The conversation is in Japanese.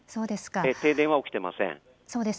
停電は起きていません。